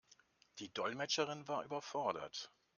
Die Dolmetscherin war überfordert.